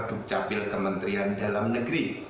di data center dukcapil kementerian dalam negeri